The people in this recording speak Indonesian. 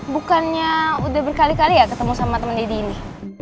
bukannya udah berkali kali ya ketemu sama teman didi ini